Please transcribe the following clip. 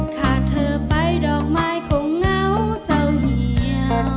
เธอไปดอกไม้คงเหงาเศร้าเหี่ยว